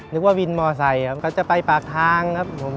นึกว่าวินมอไซค์จะไปปากทาง